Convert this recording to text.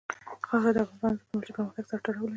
خاوره د افغانستان د تکنالوژۍ پرمختګ سره تړاو لري.